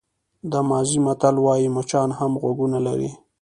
د مازی متل وایي مچان هم غوږونه لري.